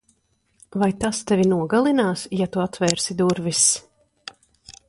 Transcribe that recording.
Vai tas tevi nogalinās ja tu atvērsi durvis?